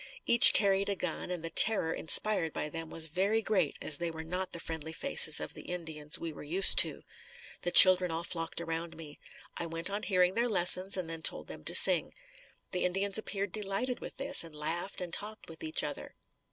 Each carried a gun and the terror inspired by them was very great as they were not the friendly faces of the Indians we were used to. The children all flocked around me. I went on hearing their lessons and then told them to sing. The Indians appeared delighted with this and laughed and talked with each other.